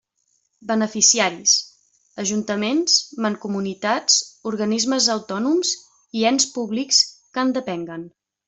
Beneficiaris: ajuntaments, mancomunitats organismes autònoms i ens públics que en depenguen.